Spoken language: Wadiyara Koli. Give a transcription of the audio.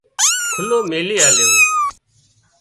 کُلو ميلي آليو